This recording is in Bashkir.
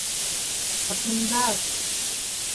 Хакимдар!